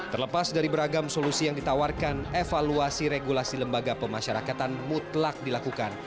terlepas dari beragam solusi yang ditawarkan evaluasi regulasi lembaga pemasyarakatan mutlak dilakukan